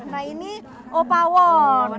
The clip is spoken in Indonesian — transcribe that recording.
nah ini opawan